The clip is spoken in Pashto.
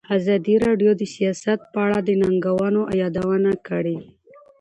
ازادي راډیو د سیاست په اړه د ننګونو یادونه کړې.